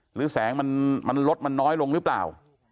หรือแสงมันลดมันน้อยลงหรือเปล่า